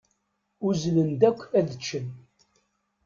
Uzzlen-d akk ad ččen.